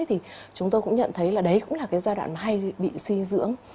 thì chúng tôi cũng nhận thấy là đấy cũng là cái giai đoạn hay bị suy dưỡng